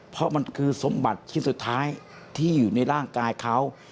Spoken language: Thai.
เพราะมันคือสมบัติชิ้นสุดท้ายที่อยู่ในร่างกายเขา